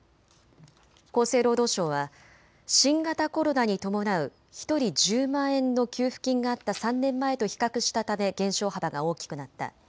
厚生労働省は新型コロナに伴う１人１０万円の給付金があった３年前と比較したため減少幅が大きくなった。